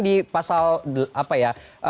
di pasal apa ya